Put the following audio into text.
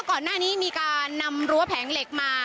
ก่อนหน้านี้มีการนำรั้วแผงเหล็กมา